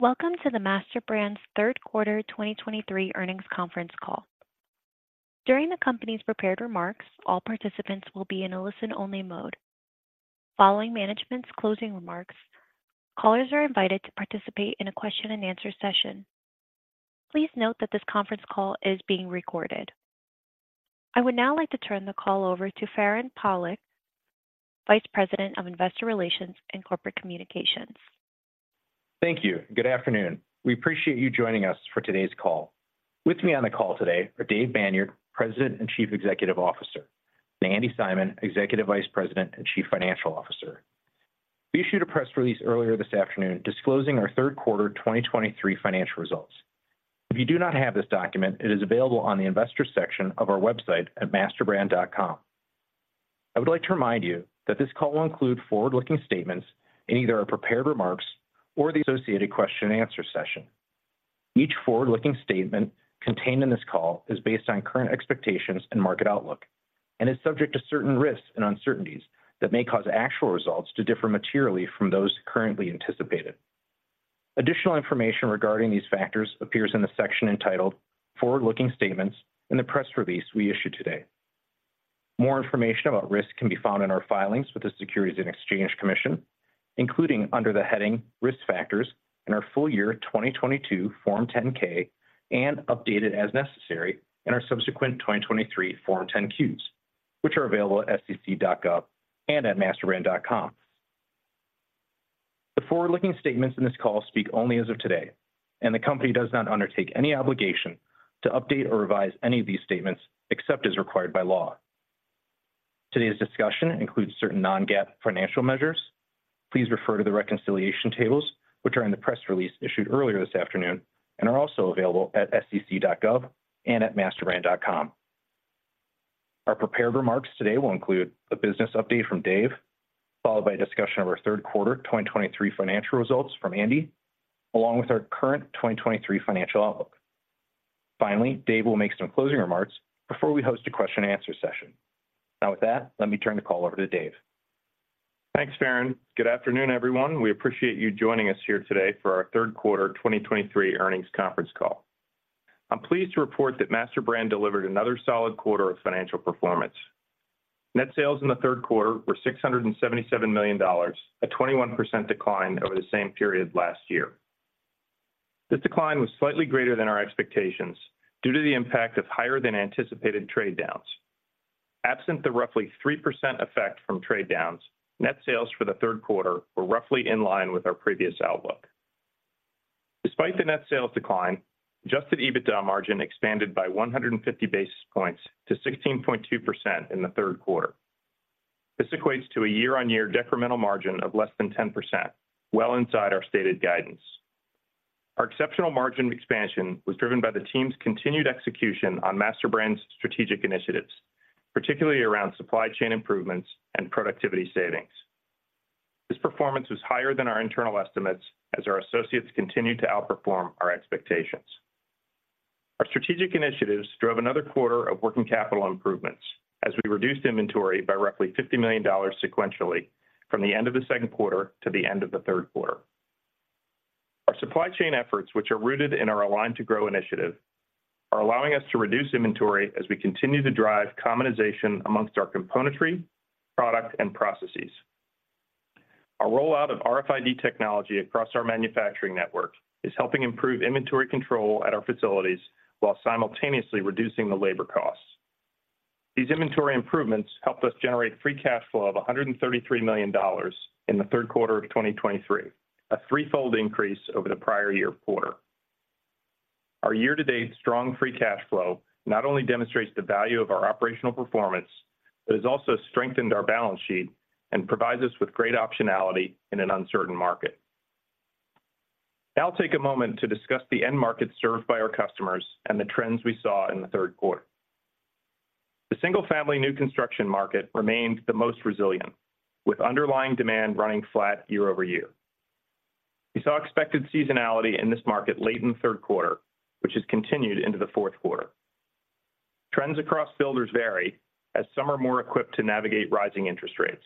Welcome to the MasterBrand's Third Quarter 2023 Earnings Conference Call. During the company's prepared remarks, all participants will be in a listen-only mode. Following management's closing remarks, callers are invited to participate in a question-and-answer session. Please note that this conference call is being recorded. I would now like to turn the call over to Farand Pawlak, Vice President of Investor Relations and Corporate Communications. Thank you. Good afternoon. We appreciate you joining us for today's call. With me on the call today are Dave Banyard, President and Chief Executive Officer, and Andi Simon, Executive Vice President and Chief Financial Officer. We issued a press release earlier this afternoon disclosing our third quarter 2023 financial results. If you do not have this document, it is available on the investor section of our website at masterbrand.com. I would like to remind you that this call will include forward-looking statements in either our prepared remarks or the associated question-and-answer session. Each forward-looking statement contained in this call is based on current expectations and market outlook, and is subject to certain risks and uncertainties that may cause actual results to differ materially from those currently anticipated. Additional information regarding these factors appears in the section entitled "Forward-Looking Statements" in the press release we issued today. More information about risks can be found in our filings with the Securities and Exchange Commission, including under the heading "Risk Factors" in our full year 2022 Form 10-K, and updated as necessary in our subsequent 2023 Form 10-Qs, which are available at sec.gov and at masterbrand.com. The forward-looking statements in this call speak only as of today, and the Company does not undertake any obligation to update or revise any of these statements except as required by law. Today's discussion includes certain non-GAAP financial measures. Please refer to the reconciliation tables, which are in the press release issued earlier this afternoon and are also available at sec.gov and at masterbrand.com. Our prepared remarks today will include a business update from Dave, followed by a discussion of our third quarter 2023 financial results from Andi, along with our current 2023 financial outlook. Finally, Dave will make some closing remarks before we host a question-and-answer session. Now, with that, let me turn the call over to Dave. Thanks, Farand. Good afternoon, everyone. We appreciate you joining us here today for our third quarter 2023 earnings conference call. I'm pleased to report that MasterBrand delivered another solid quarter of financial performance. Net sales in the third quarter were $677 million, a 21% decline over the same period last year. This decline was slightly greater than our expectations due to the impact of higher than anticipated trade-downs. Absent the roughly 3% effect from trade-downs, net sales for the third quarter were roughly in line with our previous outlook. Despite the net sales decline, Adjusted EBITDA margin expanded by 150 basis points to 16.2% in the third quarter. This equates to a year-on-year decremental margin of less than 10%, well inside our stated guidance. Our exceptional margin expansion was driven by the team's continued execution on MasterBrand's strategic initiatives, particularly around supply chain improvements and productivity savings. This performance was higher than our internal estimates as our associates continued to outperform our expectations. Our strategic initiatives drove another quarter of working capital improvements as we reduced inventory by roughly $50 million sequentially from the end of the second quarter to the end of the third quarter. Our supply chain efforts, which are rooted in our Align to Grow initiative, are allowing us to reduce inventory as we continue to drive commonization amongst our componentry, product, and processes. Our rollout of RFID technology across our manufacturing network is helping improve inventory control at our facilities while simultaneously reducing the labor costs. These inventory improvements helped us generate free cash flow of $133 million in the third quarter of 2023, a threefold increase over the prior year quarter. Our year-to-date strong free cash flow not only demonstrates the value of our operational performance, but has also strengthened our balance sheet and provides us with great optionality in an uncertain market. Now I'll take a moment to discuss the end market served by our customers and the trends we saw in the third quarter. The single-family new construction market remains the most resilient, with underlying demand running flat year-over-year. We saw expected seasonality in this market late in the third quarter, which has continued into the fourth quarter. Trends across builders vary as some are more equipped to navigate rising interest rates.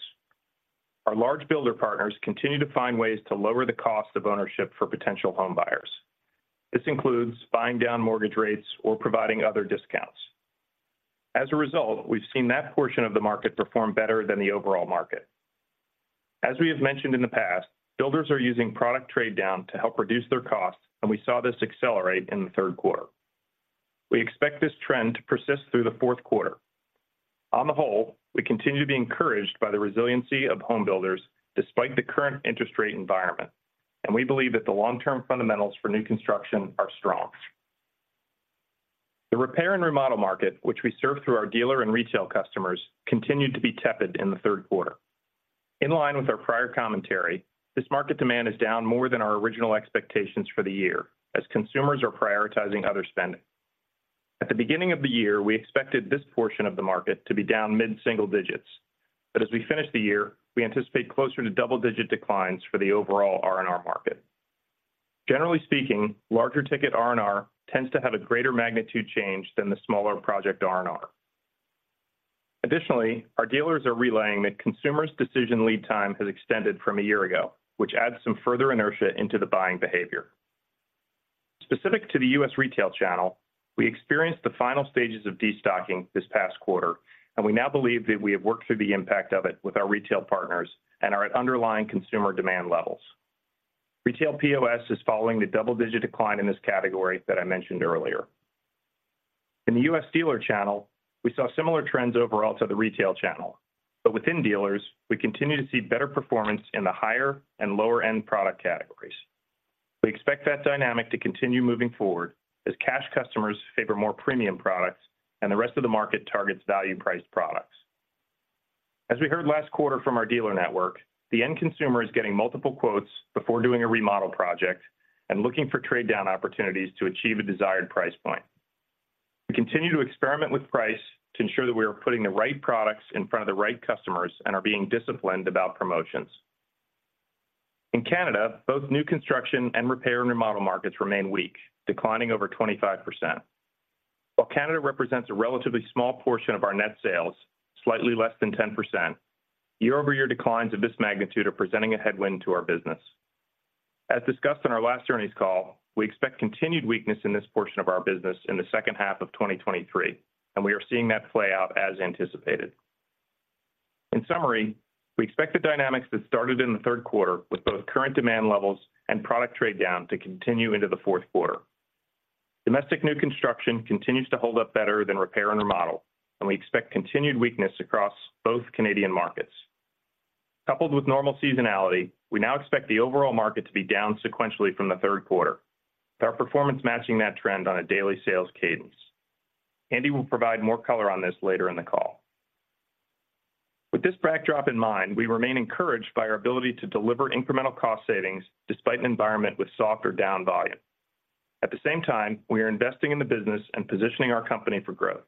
Our large builder partners continue to find ways to lower the cost of ownership for potential home buyers. This includes buying down mortgage rates or providing other discounts. As a result, we've seen that portion of the market perform better than the overall market. As we have mentioned in the past, builders are using product trade-down to help reduce their costs, and we saw this accelerate in the third quarter. We expect this trend to persist through the fourth quarter. On the whole, we continue to be encouraged by the resiliency of home builders despite the current interest rate environment, and we believe that the long-term fundamentals for new construction are strong. The repair and remodel market, which we serve through our dealer and retail customers, continued to be tepid in the third quarter. In line with our prior commentary, this market demand is down more than our original expectations for the year, as consumers are prioritizing other spending. At the beginning of the year, we expected this portion of the market to be down mid-single digits, but as we finish the year, we anticipate closer to double-digit declines for the overall R&R market. Generally speaking, larger ticket R&R tends to have a greater magnitude change than the smaller project R&R. Additionally, our dealers are relaying that consumers' decision lead time has extended from a year ago, which adds some further inertia into the buying behavior. Specific to the U.S. retail channel, we experienced the final stages of destocking this past quarter, and we now believe that we have worked through the impact of it with our retail partners and are at underlying consumer demand levels. Retail POS is following the double-digit decline in this category that I mentioned earlier. In the U.S. dealer channel, we saw similar trends overall to the retail channel, but within dealers, we continue to see better performance in the higher and lower-end product categories. We expect that dynamic to continue moving forward as cash customers favor more premium products and the rest of the market targets value-priced products. As we heard last quarter from our dealer network, the end consumer is getting multiple quotes before doing a remodel project and looking for trade-down opportunities to achieve a desired price point. We continue to experiment with price to ensure that we are putting the right products in front of the right customers and are being disciplined about promotions. In Canada, both new construction and repair and remodel markets remain weak, declining over 25%. While Canada represents a relatively small portion of our net sales, slightly less than 10%, year-over-year declines of this magnitude are presenting a headwind to our business. As discussed on our last earnings call, we expect continued weakness in this portion of our business in the second half of 2023, and we are seeing that play out as anticipated. In summary, we expect the dynamics that started in the third quarter with both current demand levels and product trade down to continue into the fourth quarter. Domestic new construction continues to hold up better than repair and remodel, and we expect continued weakness across both Canadian markets. Coupled with normal seasonality, we now expect the overall market to be down sequentially from the third quarter, with our performance matching that trend on a daily sales cadence. Andi will provide more color on this later in the call. With this backdrop in mind, we remain encouraged by our ability to deliver incremental cost savings despite an environment with soft or down volume. At the same time, we are investing in the business and positioning our company for growth.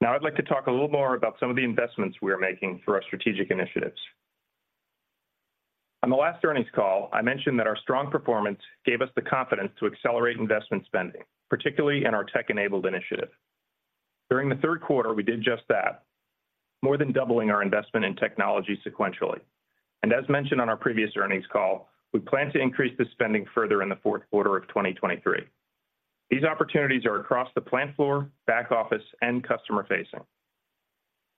Now, I'd like to talk a little more about some of the investments we are making through our strategic initiatives. On the last earnings call, I mentioned that our strong performance gave us the confidence to accelerate investment spending, particularly in our Tech Enabled Initiative. During the third quarter, we did just that, more than doubling our investment in technology sequentially. And as mentioned on our previous earnings call, we plan to increase this spending further in the fourth quarter of 2023. These opportunities are across the plant floor, back office, and customer-facing.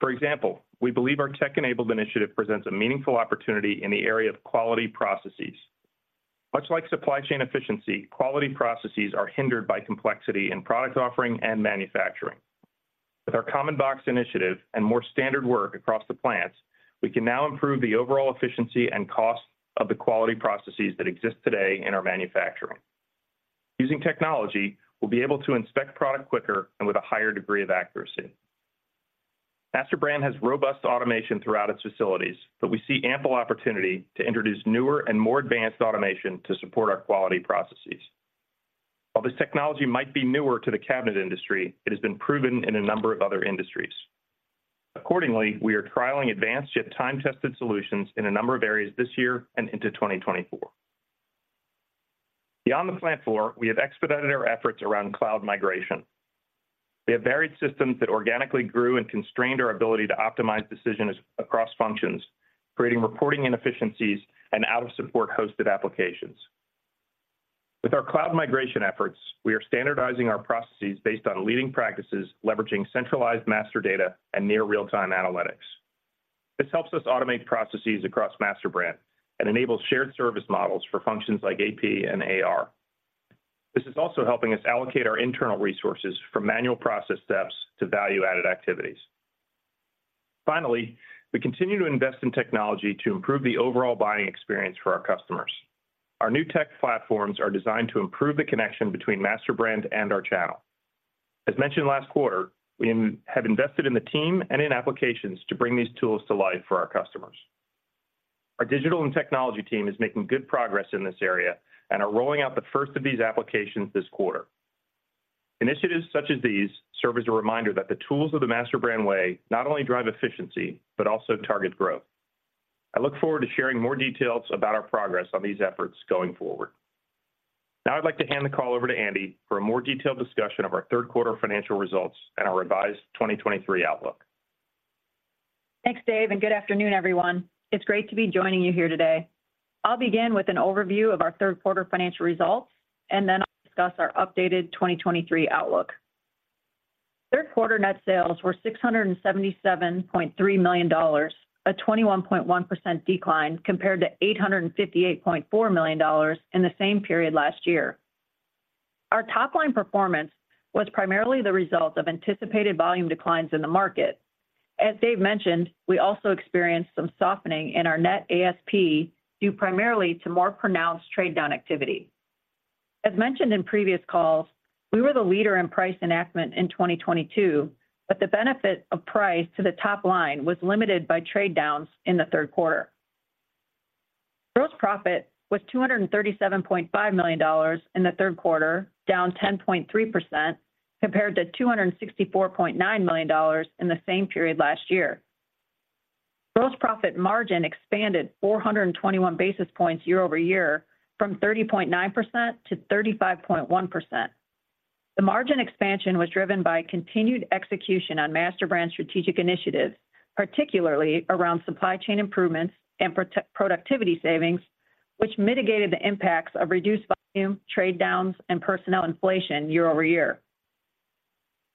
For example, we believe our Tech Enabled Initiative presents a meaningful opportunity in the area of quality processes. Much like supply chain efficiency, quality processes are hindered by complexity in product offering and manufacturing. With our Common Box Initiative and more standard work across the plants, we can now improve the overall efficiency and cost of the quality processes that exist today in our manufacturing. Using technology, we'll be able to inspect product quicker and with a higher degree of accuracy. MasterBrand has robust automation throughout its facilities, but we see ample opportunity to introduce newer and more advanced automation to support our quality processes. While this technology might be newer to the cabinet industry, it has been proven in a number of other industries. Accordingly, we are trialing advanced, yet time-tested solutions in a number of areas this year and into 2024. Beyond the plant floor, we have expedited our efforts around cloud migration. We have varied systems that organically grew and constrained our ability to optimize decisions across functions, creating reporting inefficiencies and out-of-support hosted applications. With our cloud migration efforts, we are standardizing our processes based on leading practices, leveraging centralized master data and near real-time analytics. This helps us automate processes across MasterBrand and enables shared service models for functions like AP and AR. This is also helping us allocate our internal resources from manual process steps to value-added activities. Finally, we continue to invest in technology to improve the overall buying experience for our customers. Our new tech platforms are designed to improve the connection between MasterBrand and our channel. As mentioned last quarter, we have invested in the team and in applications to bring these tools to life for our customers. Our digital and technology team is making good progress in this area and are rolling out the first of these applications this quarter. Initiatives such as these serve as a reminder that the tools of the MasterBrand Way not only drive efficiency, but also target growth. I look forward to sharing more details about our progress on these efforts going forward. Now, I'd like to hand the call over to Andi for a more detailed discussion of our third quarter financial results and our revised 2023 outlook. Thanks, Dave, and good afternoon, everyone. It's great to be joining you here today. I'll begin with an overview of our third quarter financial results, and then I'll discuss our updated 2023 outlook. Third quarter net sales were $677.3 million, a 21.1% decline compared to $858.4 million in the same period last year. Our top-line performance was primarily the result of anticipated volume declines in the market. As Dave mentioned, we also experienced some softening in our net ASP, due primarily to more pronounced trade-down activity. As mentioned in previous calls, we were the leader in price enactment in 2022, but the benefit of price to the top line was limited by trade downs in the third quarter. Gross profit was $237.5 million in the third quarter, down 10.3%, compared to $264.9 million in the same period last year. Gross profit margin expanded 421 basis points year-over-year from 30.9% - 35.1%. The margin expansion was driven by continued execution on MasterBrand's strategic initiatives, particularly around supply chain improvements and productivity savings, which mitigated the impacts of reduced volume, trade-downs, and personnel inflation year-over-year.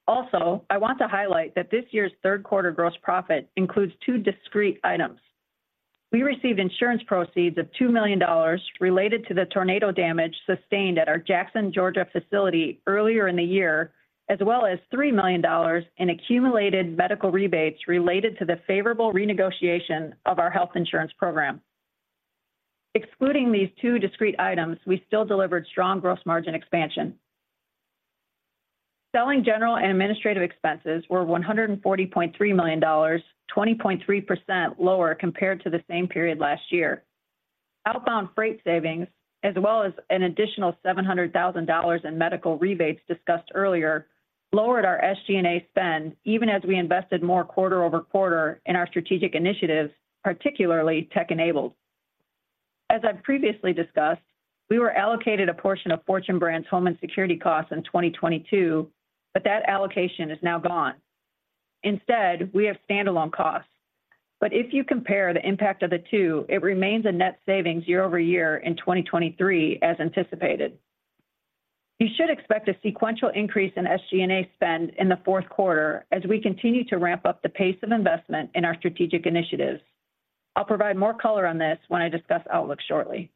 Also, I want to highlight that this year's third quarter gross profit includes two discrete items. We received insurance proceeds of $2 million related to the tornado damage sustained at our Jackson, Georgia facility earlier in the year, as well as $3 million in accumulated medical rebates related to the favorable renegotiation of our health insurance program. Excluding these two discrete items, we still delivered strong gross margin expansion. Selling, general, and administrative expenses were $140.3 million, 20.3% lower compared to the same period last year. Outbound freight savings, as well as an additional $700,000 in medical rebates discussed earlier, lowered our SG&A spend, even as we invested more quarter-over-quarter in our strategic initiatives, particularly Tech Enabled. As I've previously discussed, we were allocated a portion of Fortune Brands Home & Security costs in 2022, but that allocation is now gone. Instead, we have standalone costs. But if you compare the impact of the two, it remains a net savings year-over-year in 2023, as anticipated. You should expect a sequential increase in SG&A spend in the fourth quarter as we continue to ramp up the pace of investment in our strategic initiatives. I'll provide more color on this when I discuss outlook shortly.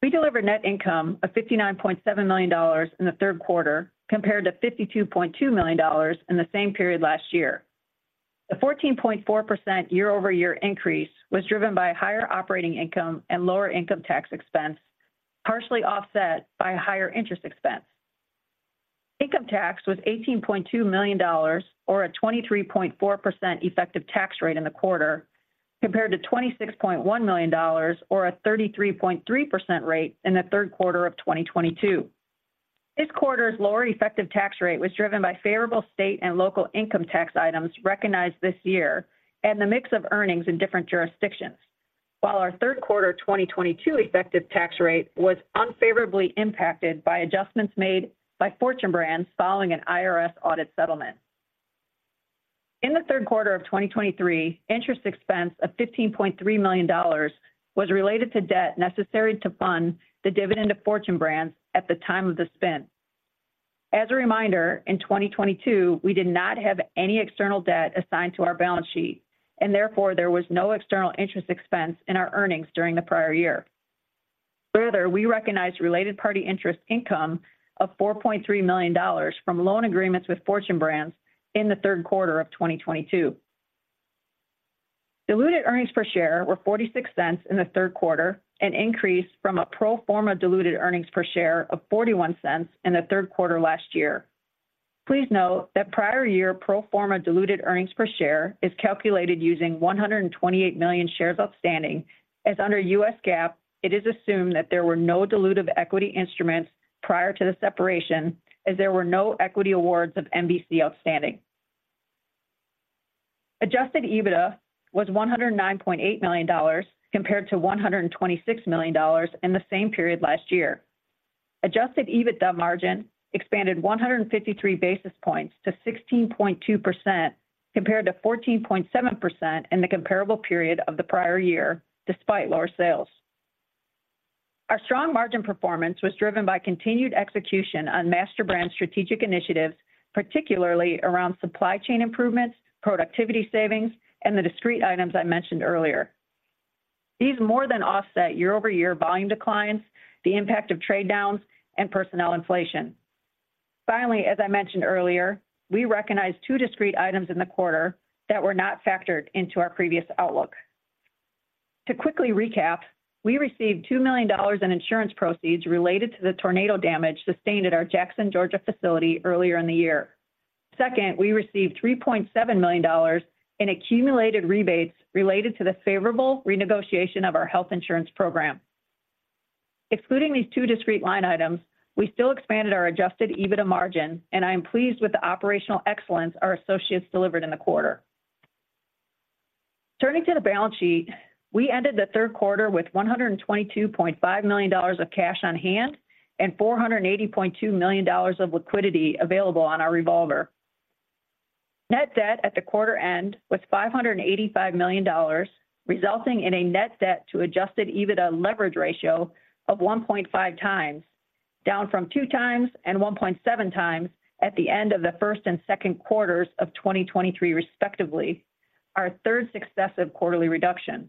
We delivered net income of $59.7 million in the third quarter, compared to $52.2 million in the same period last year. The 14.4% year-over-year increase was driven by higher operating income and lower income tax expense, partially offset by higher interest expense. Income tax was $18.2 million, or a 23.4% effective tax rate in the quarter, compared to $26.1 million or a 33.3% rate in the third quarter of 2022. This quarter's lower effective tax rate was driven by favorable state and local income tax items recognized this year and the mix of earnings in different jurisdictions. While our third quarter 2022 effective tax rate was unfavorably impacted by adjustments made by Fortune Brands following an IRS audit settlement. In the third quarter of 2023, interest expense of $15.3 million was related to debt necessary to fund the dividend of Fortune Brands at the time of the spin. As a reminder, in 2022, we did not have any external debt assigned to our balance sheet, and therefore, there was no external interest expense in our earnings during the prior year. Further, we recognized related party interest income of $4.3 million from loan agreements with Fortune Brands in the third quarter of 2022. Diluted earnings per share were $0.46 in the third quarter, an increase from a pro forma diluted earnings per share of $0.41 in the third quarter last year. Please note that prior year pro forma diluted earnings per share is calculated using 128 million shares outstanding, as under U.S. GAAP, it is assumed that there were no dilutive equity instruments prior to the separation, as there were no equity awards of MBC outstanding. Adjusted EBITDA was $109.8 million, compared to $126 million in the same period last year. Adjusted EBITDA margin expanded 153 basis points to 16.2%, compared to 14.7% in the comparable period of the prior year, despite lower sales. Our strong margin performance was driven by continued execution on MasterBrand's strategic initiatives, particularly around supply chain improvements, productivity savings, and the discrete items I mentioned earlier. These more than offset year-over-year volume declines, the impact of trade downs, and personnel inflation. Finally, as I mentioned earlier, we recognized two discrete items in the quarter that were not factored into our previous outlook. To quickly recap, we received $2 million in insurance proceeds related to the tornado damage sustained at our Jackson, Georgia facility earlier in the year. Second, we received $3.7 million in accumulated rebates related to the favorable renegotiation of our health insurance program. Excluding these two discrete line items, we still expanded our Adjusted EBITDA margin, and I am pleased with the operational excellence our associates delivered in the quarter. Turning to the balance sheet, we ended the third quarter with $122.5 million of cash on hand and $480.2 million of liquidity available on our revolver. Net debt at the quarter end was $585 million, resulting in a net debt to Adjusted EBITDA leverage ratio of 1.5x, down from 2x and 1.7x at the end of the first and second quarters of 2023, respectively, our third successive quarterly reduction.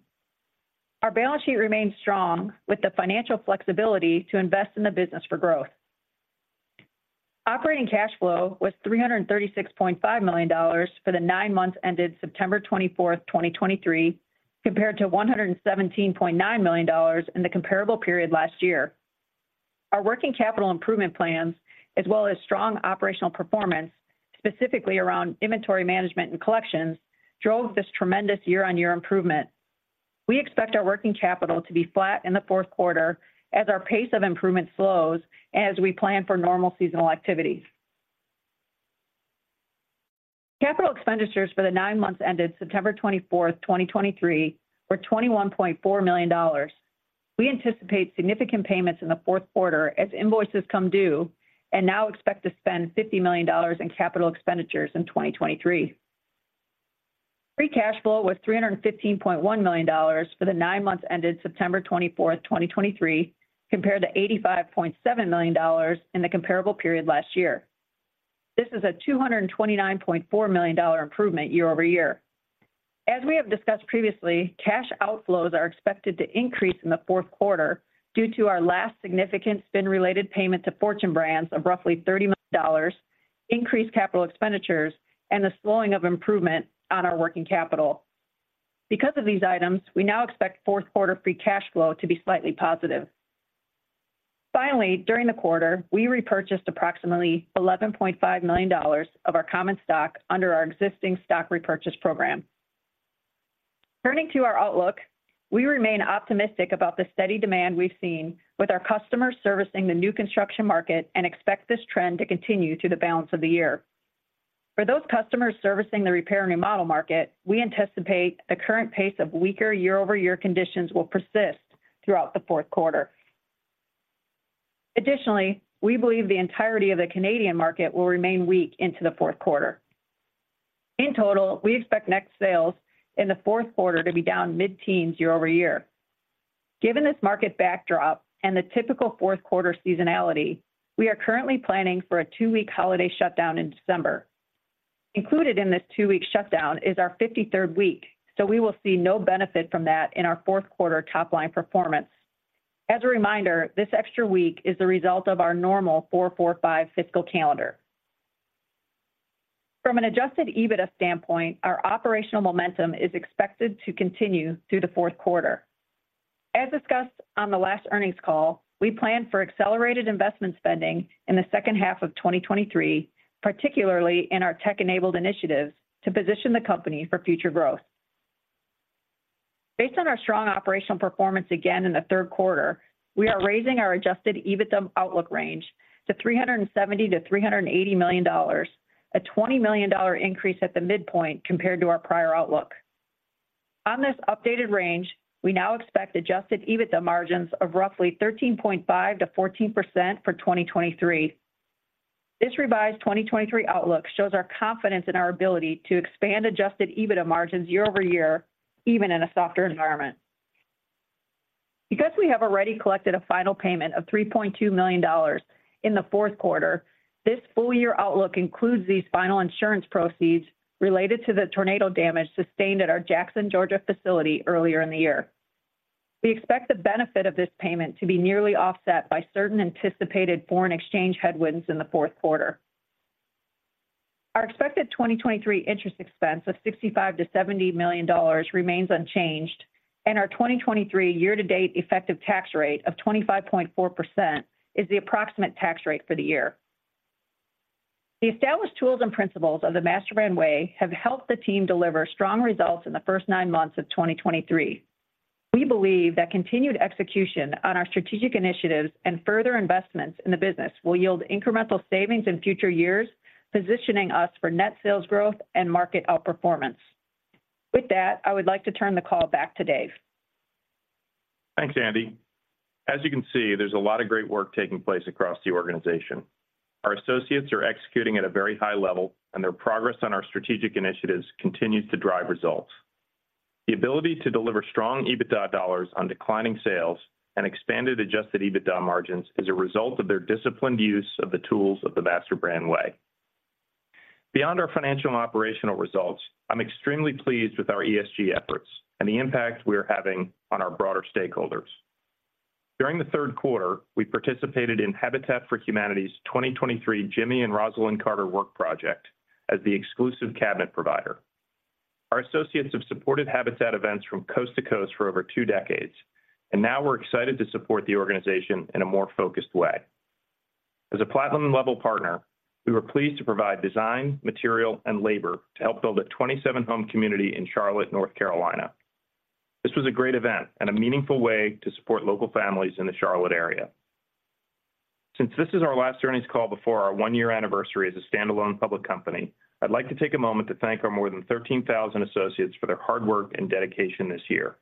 Our balance sheet remains strong, with the financial flexibility to invest in the business for growth. Operating cash flow was $336.5 million for the nine months ended September 24th, 2023, compared to $117.9 million in the comparable period last year. Our working capital improvement plans, as well as strong operational performance, specifically around inventory management and collections, drove this tremendous year-on-year improvement. We expect our working capital to be flat in the fourth quarter as our pace of improvement slows and as we plan for normal seasonal activities. Capital expenditures for the nine months ended September 24th, 2023, were $21.4 million. We anticipate significant payments in the fourth quarter as invoices come due and now expect to spend $50 million in capital expenditures in 2023. Free cash flow was $315.1 million for the nine months ended September 24th, 2023, compared to $85.7 million in the comparable period last year. This is a $229.4 million improvement year-over-year. As we have discussed previously, cash outflows are expected to increase in the fourth quarter due to our last significant spin-related payment to Fortune Brands of roughly $30 million, increased capital expenditures, and the slowing of improvement on our working capital. Because of these items, we now expect fourth quarter free cash flow to be slightly positive. Finally, during the quarter, we repurchased approximately $11.5 million of our common stock under our existing stock repurchase program. Turning to our outlook, we remain optimistic about the steady demand we've seen with our customers servicing the new construction market and expect this trend to continue through the balance of the year. For those customers servicing the repair and remodel market, we anticipate the current pace of weaker year-over-year conditions will persist throughout the fourth quarter. Additionally, we believe the entirety of the Canadian market will remain weak into the fourth quarter. In total, we expect net sales in the fourth quarter to be down mid-teens year-over-year. Given this market backdrop and the typical fourth quarter seasonality, we are currently planning for a two week holiday shutdown in December. Included in this two week shutdown is our 53rd week, so we will see no benefit from that in our fourth quarter top-line performance. As a reminder, this extra week is the result of our normal 4/4/5 fiscal calendar. From an Adjusted EBITDA standpoint, our operational momentum is expected to continue through the fourth quarter. As discussed on the last earnings call, we planned for accelerated investment spending in the second half of 2023, particularly in our Tech Enabled initiatives to position the company for future growth. Based on our strong operational performance again in the third quarter, we are raising our Adjusted EBITDA outlook range to $370 million-$380 million, a $20 million increase at the midpoint compared to our prior outlook. On this updated range, we now expect Adjusted EBITDA margins of roughly 13.5%-14% for 2023. This revised 2023 outlook shows our confidence in our ability to expand Adjusted EBITDA margins year-over-year, even in a softer environment. Because we have already collected a final payment of $3.2 million in the fourth quarter, this full year outlook includes these final insurance proceeds related to the tornado damage sustained at our Jackson, Georgia, facility earlier in the year. We expect the benefit of this payment to be nearly offset by certain anticipated foreign exchange headwinds in the fourth quarter. Our expected 2023 interest expense of $65 million-$70 million remains unchanged, and our 2023 year-to-date effective tax rate of 25.4% is the approximate tax rate for the year. The established tools and principles of the MasterBrand Way have helped the team deliver strong results in the first nine months of 2023. We believe that continued execution on our strategic initiatives and further investments in the business will yield incremental savings in future years, positioning us for net sales growth and market outperformance. With that, I would like to turn the call back to Dave. Thanks, Andi. As you can see, there's a lot of great work taking place across the organization. Our associates are executing at a very high level, and their progress on our strategic initiatives continues to drive results. The ability to deliver strong EBITDA dollars on declining sales and expanded adjusted EBITDA margins is a result of their disciplined use of the tools of the MasterBrand Way. Beyond our financial and operational results, I'm extremely pleased with our ESG efforts and the impact we are having on our broader stakeholders. During the third quarter, we participated in Habitat for Humanity's 2023 Jimmy and Rosalynn Carter Work Project as the exclusive cabinet provider. Our associates have supported Habitat events from coast to coast for over two decades, and now we're excited to support the organization in a more focused way. As a platinum-level partner, we were pleased to provide design, material, and labor to help build a 27-home community in Charlotte, North Carolina. This was a great event and a meaningful way to support local families in the Charlotte area. Since this is our last earnings call before our one-year anniversary as a standalone public company, I'd like to take a moment to thank our more than 13,000 associates for their hard work and dedication this year.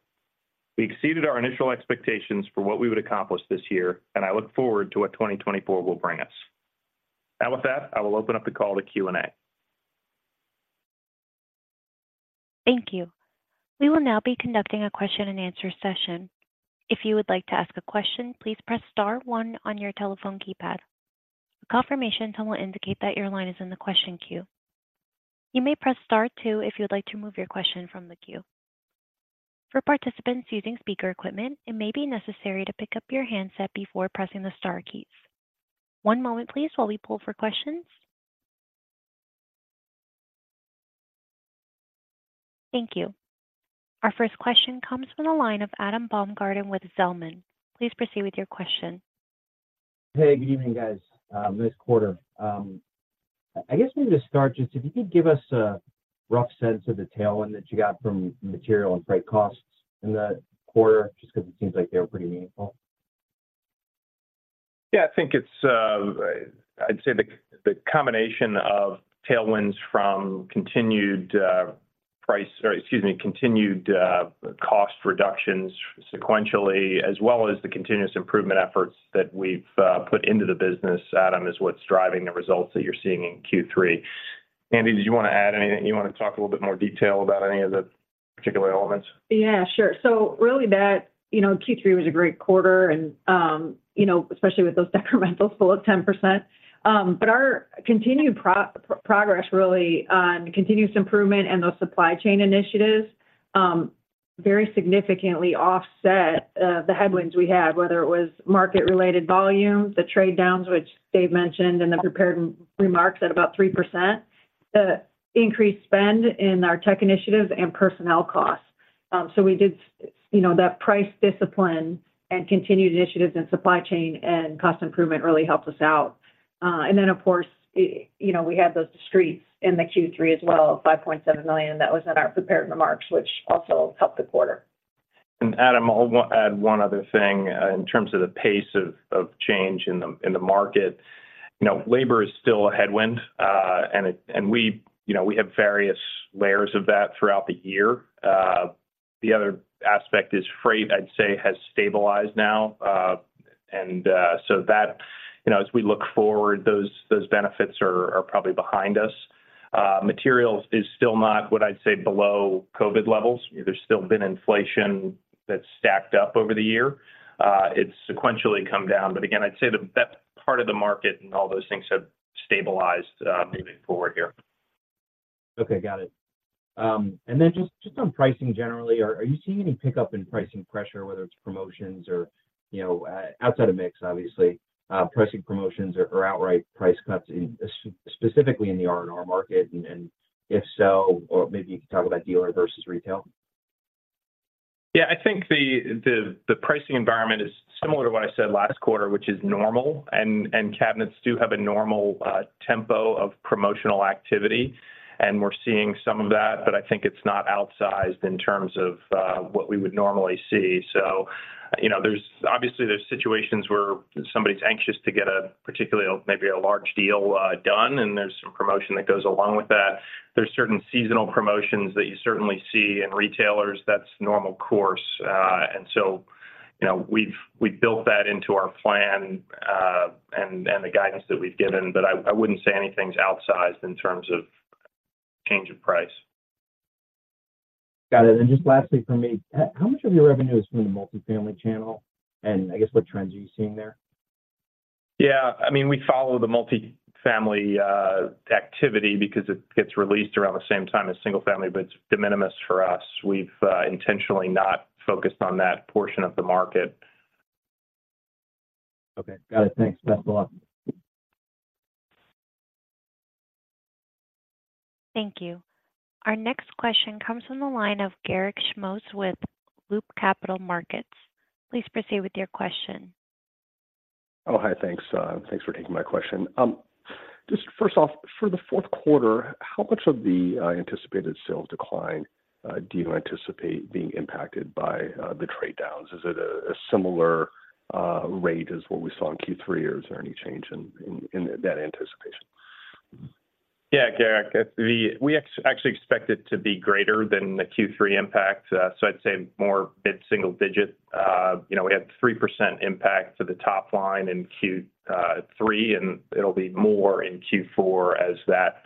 We exceeded our initial expectations for what we would accomplish this year, and I look forward to what 2024 will bring us. Now with that, I will open up the call to Q&A. Thank you. We will now be conducting a question-and-answer session. If you would like to ask a question, please press star one on your telephone keypad. A confirmation tone will indicate that your line is in the question queue. You may press star two if you would like to remove your question from the queue. For participants using speaker equipment, it may be necessary to pick up your handset before pressing the star keys. One moment please, while we pull for questions. Thank you. Our first question comes from the line of Adam Baumgarten with Zelman. Please proceed with your question. Hey, good evening, guys. This quarter, I guess maybe to start, just if you could give us a rough sense of the tailwind that you got from material and freight costs in the quarter, just because it seems like they were pretty meaningful. Yeah, I think it's, I'd say the, the combination of tailwinds from continued, price, or excuse me, continued, cost reductions sequentially, as well as the continuous improvement efforts that we've put into the business, Adam, is what's driving the results that you're seeing in Q3. Andi, did you want to add anything? You want to talk a little bit more detail about any of the particular elements? Yeah, sure. So really that, you know, Q3 was a great quarter, and, you know, especially with those decrementals full of 10%. But our continued progress really on continuous improvement and those supply chain initiatives very significantly offset the headwinds we had, whether it was market-related volumes, the trade-downs, which Dave mentioned in the prepared remarks at about 3%, the increased spend in our tech initiatives and personnel costs. So we did, you know, that price discipline and continued initiatives in supply chain and cost improvement really helped us out. And then, of course, you know, we had those discretes in the Q3 as well, $5.7 million. That was in our prepared remarks, which also helped the quarter. Adam, I'll add one other thing. In terms of the pace of change in the market. You know, labor is still a headwind, and we, you know, we have various layers of that throughout the year. The other aspect is freight, I'd say, has stabilized now. And, so that, you know, as we look forward, those benefits are probably behind us. Materials is still not what I'd say below COVID levels. There's still been inflation that's stacked up over the year. It's sequentially come down, but again, I'd say that part of the market and all those things have stabilized, moving forward here. Okay, got it. And then just, just on pricing generally, are, are you seeing any pickup in pricing pressure, whether it's promotions or, you know, outside of mix, obviously, pricing promotions or outright price cuts specifically in the R&R market? And, and if so, or maybe you could talk about dealer versus retail. Yeah, I think the pricing environment is similar to what I said last quarter, which is normal, and cabinets do have a normal tempo of promotional activity, and we're seeing some of that, but I think it's not outsized in terms of what we would normally see. So, you know, there's obviously those situations where somebody's anxious to get a particularly, maybe a large deal done, and there's some promotion that goes along with that. There's certain seasonal promotions that you certainly see in retailers. That's normal course. And so, you know, we've built that into our plan, and the guidance that we've given, but I wouldn't say anything's outsized in terms of change in price. Got it, and just lastly for me, how much of your revenue is from the multifamily channel? And I guess, what trends are you seeing there? Yeah, I mean, we follow the multifamily activity because it gets released around the same time as single family, but it's de minimis for us. We've intentionally not focused on that portion of the market. Okay. Got it. Thanks. Thanks a lot. Thank you. Our next question comes from the line of Garik Shmois with Loop Capital Markets. Please proceed with your question. Oh, hi. Thanks. Thanks for taking my question. Just first off, for the fourth quarter, how much of the anticipated sales decline do you anticipate being impacted by the trade-downs? Is it a similar rate as what we saw in Q3, or is there any change in that anticipation? Yeah, Garik, we actually expect it to be greater than the Q3 impact. So I'd say more mid-single digit. You know, we had 3% impact to the top line in Q3, and it'll be more in Q4 as that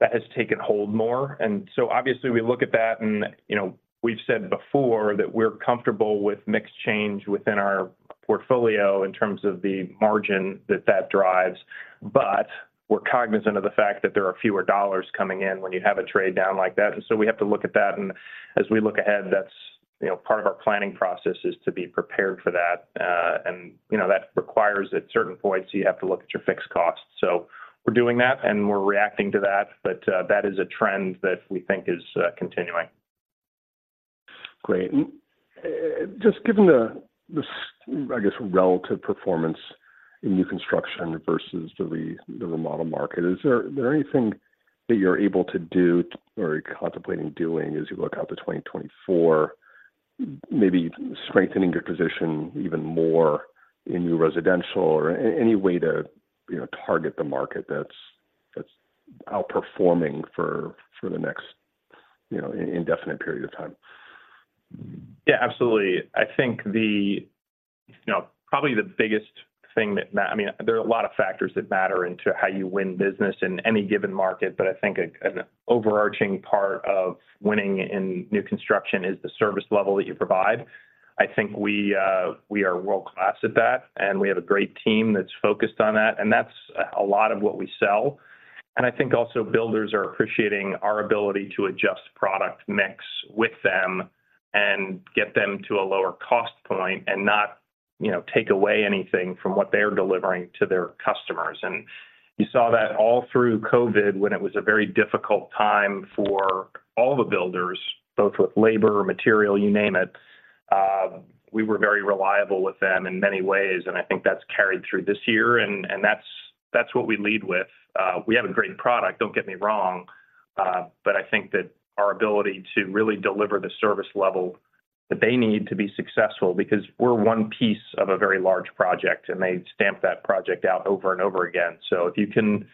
has taken hold more. And so obviously, we look at that and, you know, we've said before that we're comfortable with mix change within our portfolio in terms of the margin that that drives, but we're cognizant of the fact that there are fewer dollars coming in when you have a trade down like that. And so we have to look at that, and as we look ahead, that's, you know, part of our planning process is to be prepared for that. And, you know, that requires, at certain points, you have to look at your fixed costs. So we're doing that, and we're reacting to that, but that is a trend that we think is continuing. Great. And, just given the, I guess, relative performance in new construction versus the remodel market, is there anything that you're able to do or contemplating doing as you look out to 2024, maybe strengthening your position even more in new residential or any way to, you know, target the market that's outperforming for the next, you know, indefinite period of time? Yeah, absolutely. I think... You know, probably the biggest thing that—I mean, there are a lot of factors that matter into how you win business in any given market, but I think an overarching part of winning in new construction is the service level that you provide. I think we, we are world-class at that, and we have a great team that's focused on that, and that's a lot of what we sell. And I think also builders are appreciating our ability to adjust product mix with them and get them to a lower cost point and not, you know, take away anything from what they're delivering to their customers. You saw that all through COVID, when it was a very difficult time for all the builders, both with labor, material, you name it. We were very reliable with them in many ways, and I think that's carried through this year, and that's what we lead with. We have a great product, don't get me wrong, but I think that our ability to really deliver the service level that they need to be successful, because we're one piece of a very large project, and they stamp that project out over and over again. So if you can,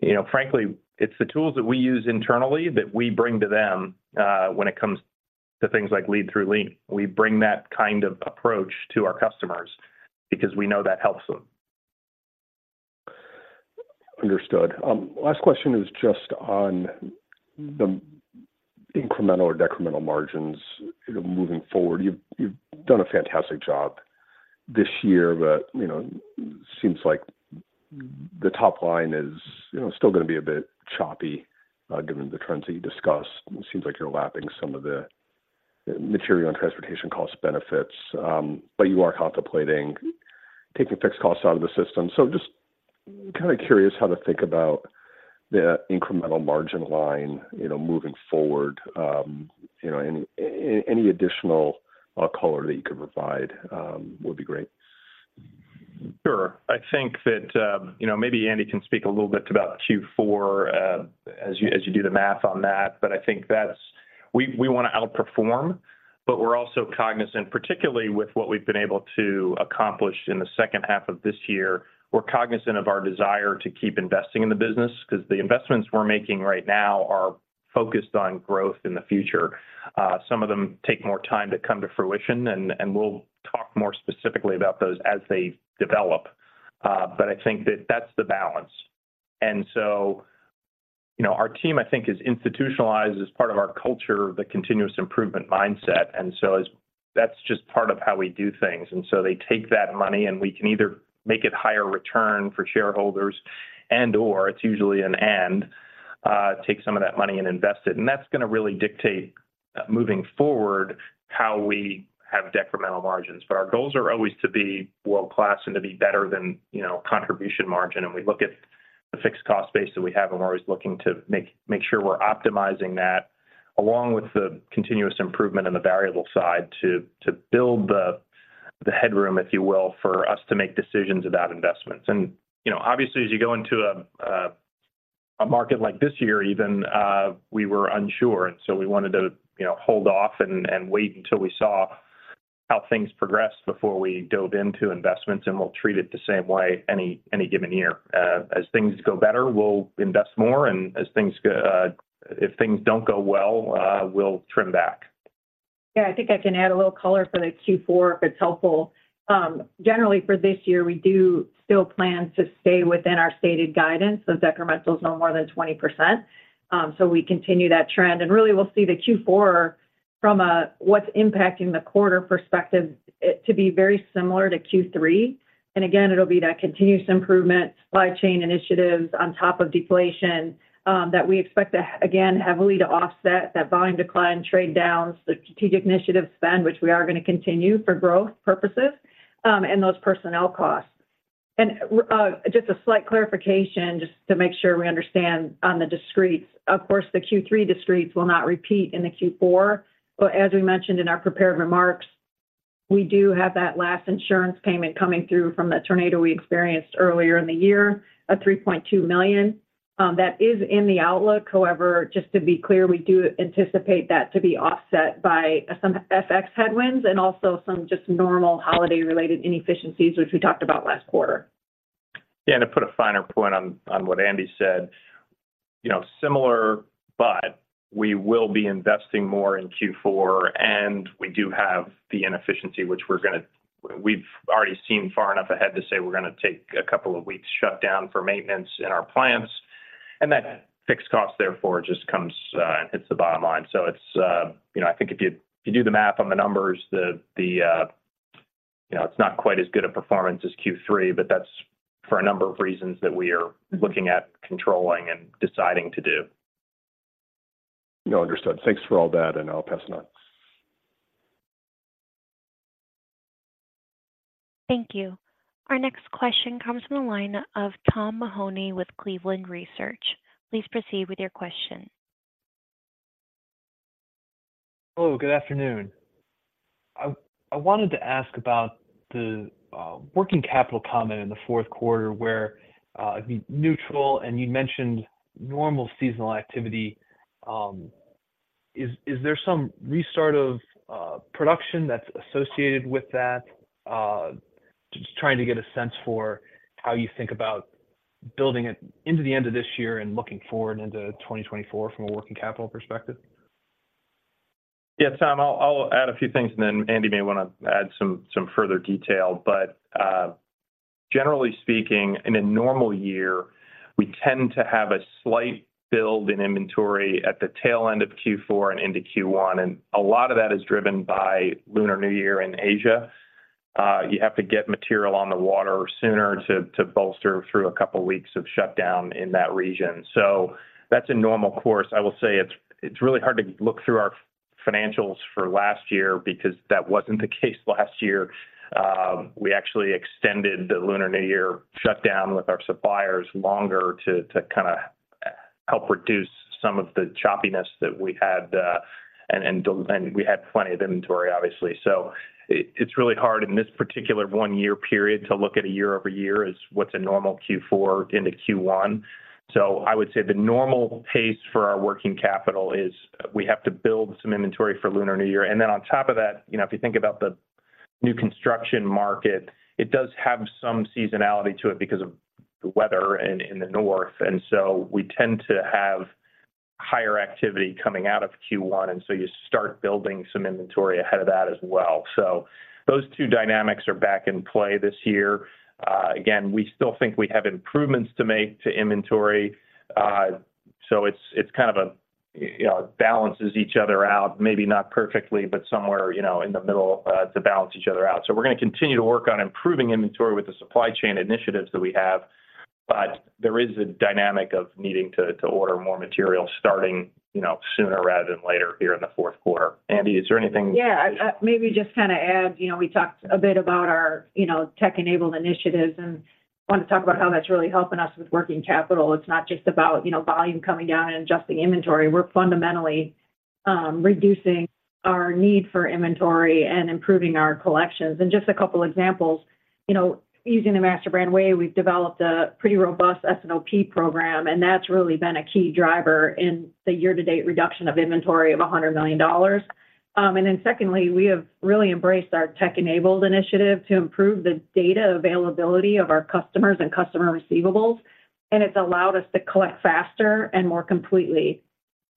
you know, frankly, it's the tools that we use internally that we bring to them, when it comes to things like lead through lean. We bring that kind of approach to our customers because we know that helps them. Understood. Last question is just on the incremental or decremental margins, you know, moving forward. You've, you've done a fantastic job this year, but, you know, seems like the top line is, you know, still gonna be a bit choppy, given the trends that you discussed. It seems like you're lapping some of the material and transportation cost benefits, but you are contemplating taking fixed costs out of the system. So just kinda curious how to think about the incremental margin line, you know, moving forward. You know, any additional color that you could provide would be great. Sure. I think that, you know, maybe Andi can speak a little bit about Q4, as you do the math on that, but I think that's... We wanna outperform, but we're also cognizant, particularly with what we've been able to accomplish in the second half of this year. We're cognizant of our desire to keep investing in the business, 'cause the investments we're making right now are focused on growth in the future. Some of them take more time to come to fruition, and we'll talk more specifically about those as they develop. But I think that that's the balance. And so, you know, our team, I think, has institutionalized as part of our culture, the continuous improvement mindset, and so that's just part of how we do things. They take that money, and we can either make it higher return for shareholders and/or it's usually an and, take some of that money and invest it. That's gonna really dictate, moving forward, how we have decremental margins. But our goals are always to be world-class and to be better than, you know, contribution margin. We look at the fixed cost base that we have, and we're always looking to make, make sure we're optimizing that, along with the continuous improvement in the variable side, to, to build the, the headroom, if you will, for us to make decisions about investments. You know, obviously, as you go into a, a market like this year, even, we were unsure, and so we wanted to, you know, hold off and, and wait until we saw how things progressed before we dove into investments. We'll treat it the same way any given year. As things go better, we'll invest more, and as things go, if things don't go well, we'll trim back. Yeah, I think I can add a little color for the Q4, if it's helpful. Generally, for this year, we do still plan to stay within our stated guidance, so decremental is no more than 20%. So we continue that trend, and really, we'll see the Q4 from a what's impacting the quarter perspective, it to be very similar to Q3. And again, it'll be that continuous improvement, supply chain initiatives on top of deflation, that we expect to, again, heavily to offset that volume decline, trade-downs, the strategic initiative spend, which we are gonna continue for growth purposes, and those personnel costs. And, just a slight clarification, just to make sure we understand on the discretes. Of course, the Q3 discretes will not repeat in the Q4, but as we mentioned in our prepared remarks, we do have that last insurance payment coming through from the tornado we experienced earlier in the year, $3.2 million. That is in the outlook. However, just to be clear, we do anticipate that to be offset by some FX headwinds and also some just normal holiday-related inefficiencies, which we talked about last quarter. Yeah, and to put a finer point on what Andi said, you know, similar, but we will be investing more in Q4, and we do have the inefficiency, which we're gonna—we've already seen far enough ahead to say we're gonna take a couple of weeks shut down for maintenance in our plants. And that fixed cost, therefore, just comes and hits the bottom line. So it's, you know, I think if you do the math on the numbers, you know, it's not quite as good a performance as Q3, but that's for a number of reasons that we are looking at controlling and deciding to do. No, understood. Thanks for all that, and I'll pass it on. Thank you. Our next question comes from the line of Tom Mahoney with Cleveland Research. Please proceed with your question. Hello, good afternoon. I wanted to ask about the working capital comment in the fourth quarter, where it'd be neutral, and you mentioned normal seasonal activity. Is there some restart of production that's associated with that? Just trying to get a sense for how you think about building it into the end of this year and looking forward into 2024 from a working capital perspective. Yeah, Tom, I'll add a few things, and then Andi may wanna add some further detail. But generally speaking, in a normal year, we tend to have a slight build in inventory at the tail end of Q4 and into Q1, and a lot of that is driven by Lunar New Year in Asia. You have to get material on the water sooner to bolster through a couple weeks of shutdown in that region. So that's a normal course. I will say it's really hard to look through our financials for last year, because that wasn't the case last year. We actually extended the Lunar New Year shutdown with our suppliers longer to kind of help reduce some of the choppiness that we had, and we had plenty of inventory, obviously. So it's really hard in this particular one-year period to look at a year-over-year as what's a normal Q4 into Q1. So I would say the normal pace for our working capital is we have to build some inventory for Lunar New Year. And then on top of that, you know, if you think about the new construction market, it does have some seasonality to it because of the weather in the north. And so we tend to have higher activity coming out of Q1, and so you start building some inventory ahead of that as well. So those two dynamics are back in play this year. Again, we still think we have improvements to make to inventory. So it's kind of a, you know, balances each other out, maybe not perfectly, but somewhere, you know, in the middle to balance each other out. So we're gonna continue to work on improving inventory with the supply chain initiatives that we have, but there is a dynamic of needing to order more material starting, you know, sooner rather than later here in the fourth quarter. Andi, is there anything? Yeah, maybe just kind of add, you know, we talked a bit about our, you know, Tech Enabled Initiatives, and I want to talk about how that's really helping us with working capital. It's not just about, you know, volume coming down and adjusting inventory. We're fundamentally reducing our need for inventory and improving our collections. And just a couple examples, you know, using the MasterBrand Way, we've developed a pretty robust S&OP program, and that's really been a key driver in the year-to-date reduction of inventory of $100 million. And then secondly, we have really embraced our Tech Enabled Initiative to improve the data availability of our customers and customer receivables, and it's allowed us to collect faster and more completely.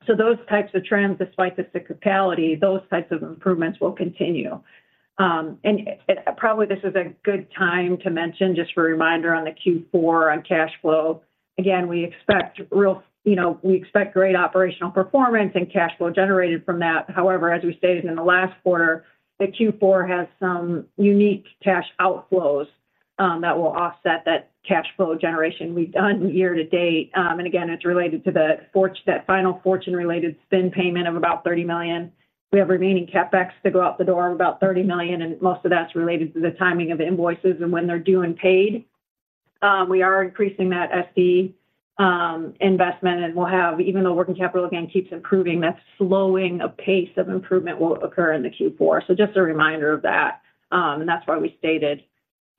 So those types of trends, despite the cyclicality, those types of improvements will continue. And probably this is a good time to mention, just for a reminder on the Q4 on cash flow, again, we expect you know, we expect great operational performance and cash flow generated from that. However, as we stated in the last quarter, the Q4 has some unique cash outflows that will offset that cash flow generation we've done year to date. Again, it's related to that final Fortune-related spin payment of about $30 million. We have remaining CapEx to go out the door of about $30 million, and most of that's related to the timing of the invoices and when they're due and paid. We are increasing that Strategic investment, and we'll have even though working capital again keeps improving, that slowing of pace of improvement will occur in the Q4. So just a reminder of that, and that's why we stated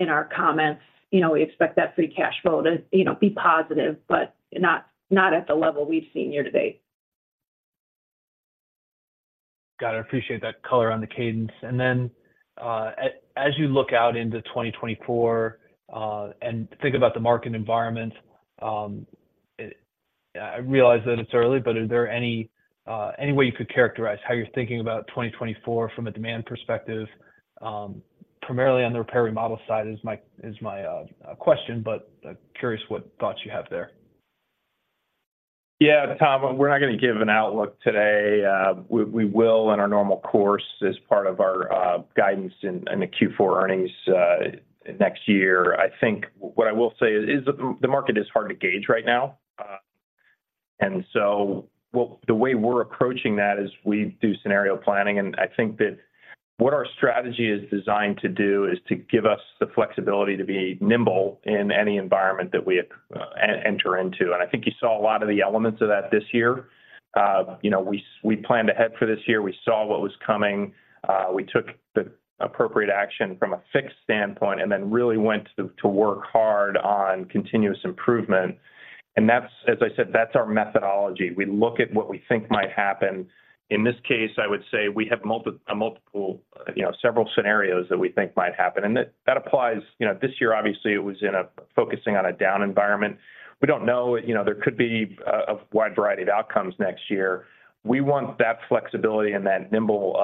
in our comments, you know, we expect that free cash flow to, you know, be positive, but not, not at the level we've seen year to date. Got it. I appreciate that color on the cadence. And then, as you look out into 2024, and think about the market environment, I realize that it's early, but is there any way you could characterize how you're thinking about 2024 from a demand perspective, primarily on the repair remodel side is my question, but curious what thoughts you have there? Yeah, Tom, we're not going to give an outlook today. We will, in our normal course, as part of our guidance in the Q4 earnings next year. I think what I will say is, the market is hard to gauge right now. And so well, the way we're approaching that is we do scenario planning, and I think that what our strategy is designed to do is to give us the flexibility to be nimble in any environment that we enter into. And I think you saw a lot of the elements of that this year. You know, we planned ahead for this year. We saw what was coming. We took the appropriate action from a fixed standpoint and then really went to work hard on continuous improvement. And that's, as I said, that's our methodology. We look at what we think might happen. In this case, I would say we have a multiple, you know, several scenarios that we think might happen, and that, that applies... You know, this year, obviously, it was in a focusing on a down environment. We don't know, you know, there could be a, a wide variety of outcomes next year. We want that flexibility and that nimble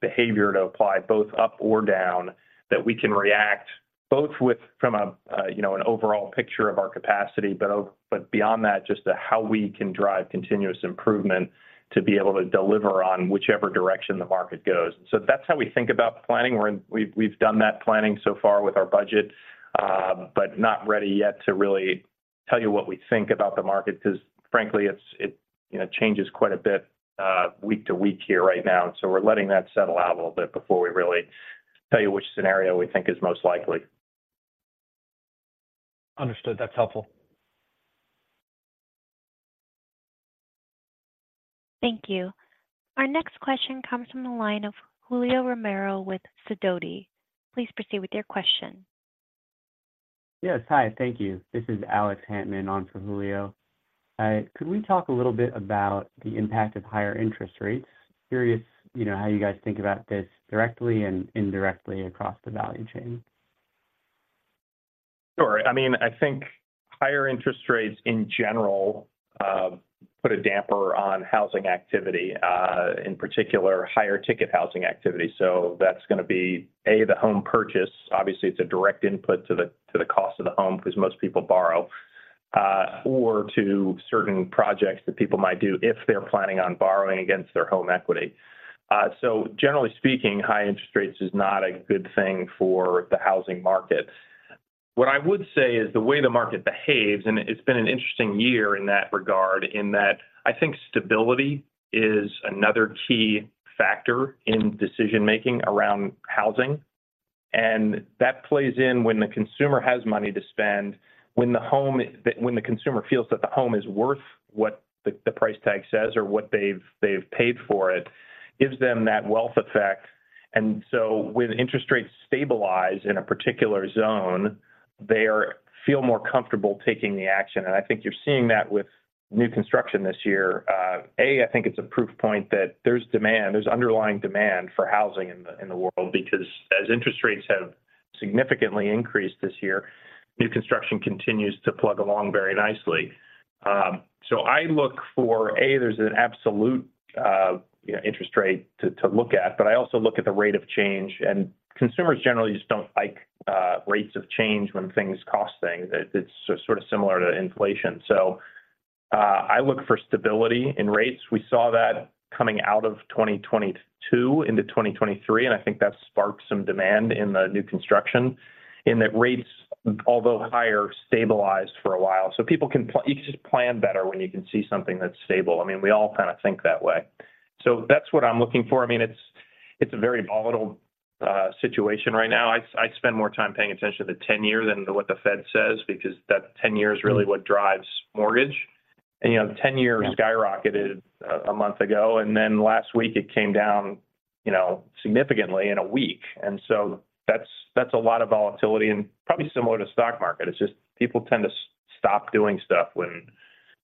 behavior to apply both up or down, that we can react both with, from a, you know, an overall picture of our capacity, but, but beyond that, just to how we can drive continuous improvement to be able to deliver on whichever direction the market goes. So that's how we think about planning. We've done that planning so far with our budget, but not ready yet to really tell you what we think about the market because, frankly, it's, you know, changes quite a bit week to week here, right now. So we're letting that settle out a little bit before we really tell you which scenario we think is most likely. Understood. That's helpful. Thank you. Our next question comes from the line of Julio Romero with Sidoti. Please proceed with your question. Yes. Hi, thank you. This is Alex Hantman on for Julio. Could we talk a little bit about the impact of higher interest rates? Curious, you know, how you guys think about this directly and indirectly across the value chain? Sure. I mean, I think higher interest rates in general put a damper on housing activity in particular, higher ticket housing activity. So that's gonna be, A, the home purchase. Obviously, it's a direct input to the cost of the home because most people borrow or to certain projects that people might do if they're planning on borrowing against their home equity. So generally speaking, high interest rates is not a good thing for the housing market. What I would say is the way the market behaves, and it's been an interesting year in that regard, in that I think stability is another key factor in decision-making around housing. And that plays in when the consumer has money to spend, when the home—when the consumer feels that the home is worth what the price tag says or what they've paid for it, gives them that wealth effect. And so when interest rates stabilize in a particular zone, they feel more comfortable taking the action. And I think you're seeing that with new construction this year. I think it's a proof point that there's demand, there's underlying demand for housing in the world, because as interest rates have significantly increased this year, new construction continues to plug along very nicely. So I look for, there's an absolute, you know, interest rate to look at, but I also look at the rate of change. And consumers generally just don't like rates of change when things cost things. It's sort of similar to inflation. So, I look for stability in rates. We saw that coming out of 2022 into 2023, and I think that sparked some demand in the new construction in that rates, although higher, stabilized for a while. So people can, you just plan better when you can see something that's stable. I mean, we all kinda think that way. So that's what I'm looking for. I mean, it's a very volatile situation right now. I spend more time paying attention to the 10-year than what the Fed says, because that 10-year is really what drives mortgage. And, you know, the 10-year skyrocketed a month ago, and then last week it came down, you know, significantly in a week. And so that's a lot of volatility and probably similar to stock market. It's just people tend to stop doing stuff when,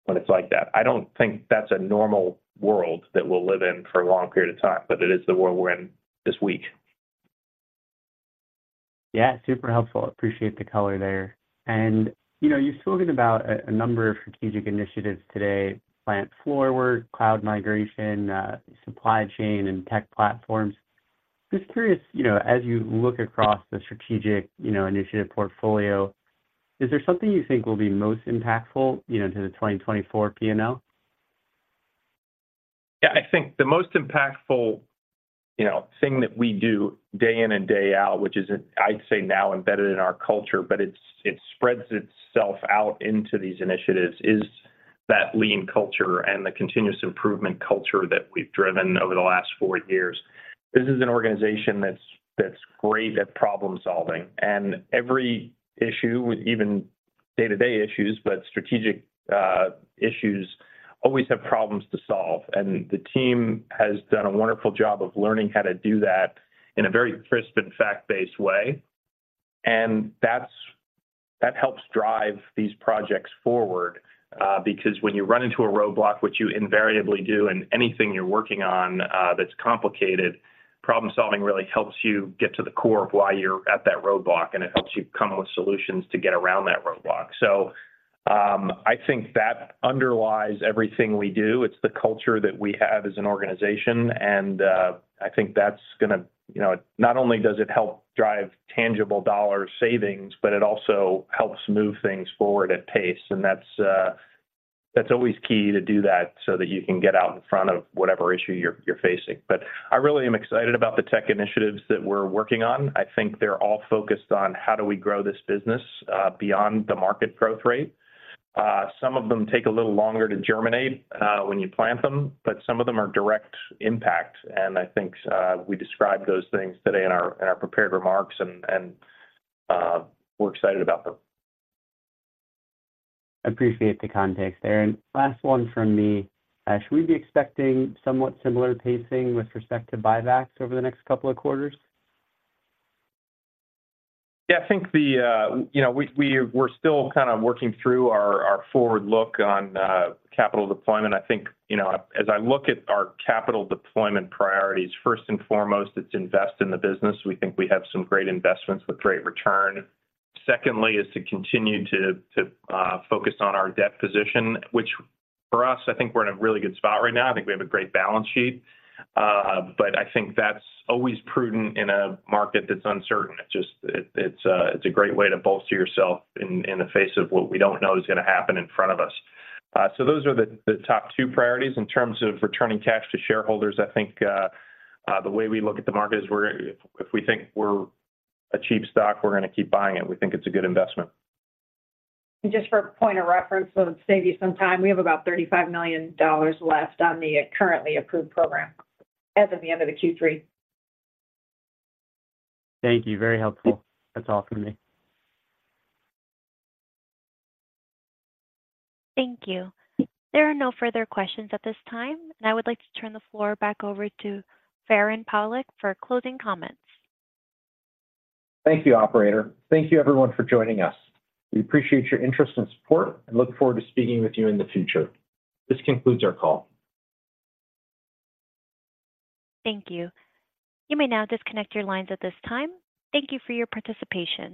when it's like that. I don't think that's a normal world that we'll live in for a long period of time, but it is the world we're in this week. Yeah, super helpful. Appreciate the color there. And, you know, you've spoken about a number of strategic initiatives today: plant floor work, cloud migration, supply chain, and tech platforms. Just curious, you know, as you look across the strategic, you know, initiative portfolio, is there something you think will be most impactful, you know, to the 2024 P&L? Yeah, I think the most impactful, you know, thing that we do day in and day out, which is, I'd say now, embedded in our culture, but it's it spreads itself out into these initiatives, is that lean culture and the continuous improvement culture that we've driven over the last four years. This is an organization that's great at problem-solving, and every issue, even day-to-day issues, but strategic issues, always have problems to solve. And the team has done a wonderful job of learning how to do that in a very crisp and fact-based way. That helps drive these projects forward, because when you run into a roadblock, which you invariably do, in anything you're working on, that's complicated, problem-solving really helps you get to the core of why you're at that roadblock, and it helps you come up with solutions to get around that roadblock. So, I think that underlies everything we do. It's the culture that we have as an organization, and, I think that's gonna... You know, not only does it help drive tangible dollar savings, but it also helps move things forward at pace. And that's always key to do that, so that you can get out in front of whatever issue you're facing. But I really am excited about the tech initiatives that we're working on. I think they're all focused on how do we grow this business beyond the market growth rate. Some of them take a little longer to germinate when you plant them, but some of them are direct impact. And I think we described those things today in our prepared remarks, and we're excited about them. Appreciate the context there. Last one from me. Should we be expecting somewhat similar pacing with respect to buybacks over the next couple of quarters? Yeah, I think the... You know, we're still kinda working through our forward look on capital deployment. I think, you know, as I look at our capital deployment priorities, first and foremost, it's invest in the business. We think we have some great investments with great return. Secondly, is to continue to focus on our debt position, which for us, I think we're in a really good spot right now. I think we have a great balance sheet. But I think that's always prudent in a market that's uncertain. It's just a great way to bolster yourself in the face of what we don't know is gonna happen in front of us. So those are the top two priorities. In terms of returning cash to shareholders, I think, the way we look at the market is, if we think we're a cheap stock, we're gonna keep buying it. We think it's a good investment. Just for a point of reference, so to save you some time, we have about $35 million left on the currently approved program as of the end of the Q3. Thank you. Very helpful. That's all for me. Thank you. There are no further questions at this time, and I would like to turn the floor back over to Farand Pawlak for closing comments. Thank you, operator. Thank you everyone for joining us. We appreciate your interest and support, and look forward to speaking with you in the future. This concludes our call. Thank you. You may now disconnect your lines at this time. Thank you for your participation.